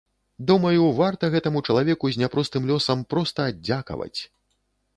Думаю, варта гэтаму чалавеку з няпростым лёсам проста аддзякаваць.